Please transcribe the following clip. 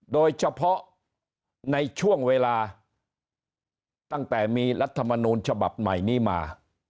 โดยเฉพาะในช่วงเวลาตั้งแต่มีรัฐมนูลฉบับใหม่นี้มา